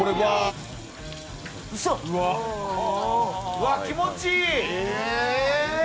うわっ気持ちいい！